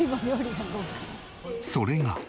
それが。